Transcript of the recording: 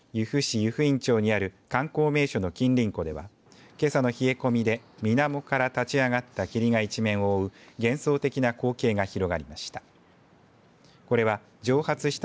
湯布院町にある観光名所の金鱗湖ではけさの冷え込みでみなもから立ち上がった霧が一面を覆う幻想的な光景が広がりました。